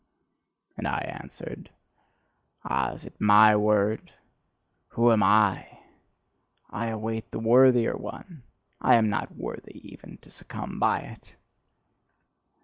And I answered: "Ah, is it MY word? Who am I? I await the worthier one; I am not worthy even to succumb by it."